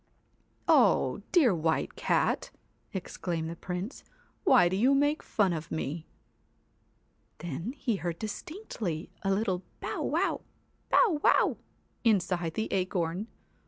'Oh! dear White Cat!' exclaimed the Prince, 1 why do you make fun of me ?' Then he heard distinctly a little bow wow ! bow wow ! inside the acorn.